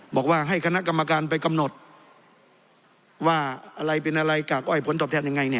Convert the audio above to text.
บอกว่าให้คณะกรรมการไปกำหนดว่าอะไรเป็นอะไรกากอ้อยผลตอบแทนยังไงเนี่ย